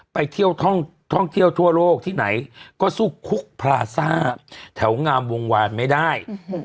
ไปเที่ยวท่องเที่ยวทั่วโลกที่ไหนก็สู้คุกพลาซ่าแถวงามวงวานไม่ได้